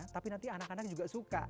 tapi nanti anak anak juga suka